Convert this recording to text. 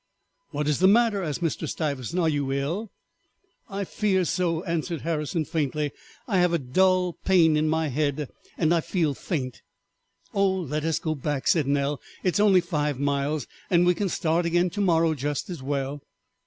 "What is the matter?" asked Mr. Stiversant; "are you ill?" "I fear so," answered Harrison faintly. "I have a dull pain in my head and I feel faint." "Oh, let us go back," said Nell, "it is only five miles, and we can start again to morrow just as well."